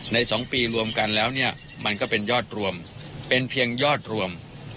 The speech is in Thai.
๒ปีรวมกันแล้วเนี่ยมันก็เป็นยอดรวมเป็นเพียงยอดรวม